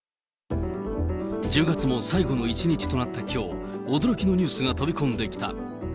１０月も最後の一日となったきょう、驚きのニュースが飛び込んできた。